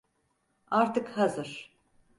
Artık hazır.